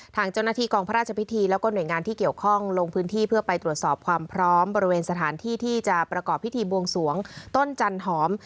ทางเจ้าหน้าที่กองพระราชพิธีแล้วก็หน่วยงานที่เกี่ยวข้องลงพื้นที่เพื่อไปตรวจสอบความพร้อมบริเวณสถานที่ที่จะประกอบพิธีบวงสวงต้นจันหอม